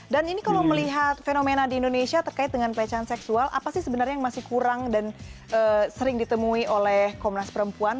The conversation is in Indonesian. dan ini kalau melihat fenomena di indonesia terkait dengan pelecehan seksual apa sih sebenarnya yang masih kurang dan sering ditemui oleh komunas perempuan